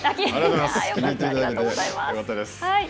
ありがとうございます。